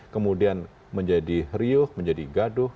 kemudian menjadi riuh menjadi gaduh